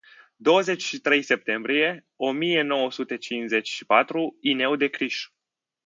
Douăzeci și trei septembrie o mie nouă sute cincizeci și patru, Ineu de Criș.